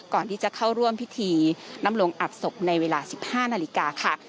ก่อนที่จะเข้าร่วมพิธีน้ำลงอับศพในเวลา๑๕นาฬิกาค่ะ